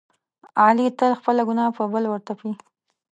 علي تل خپله ګناه په بل ورتپي.